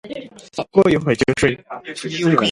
过一会就睡